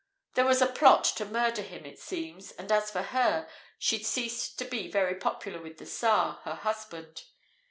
There was a plot to murder him, it seems, and as for her, she'd ceased to be very popular with the Tsar, her husband.